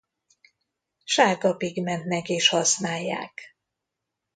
Sárga pigmentnek is használják.